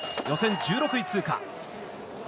予選１６位通過。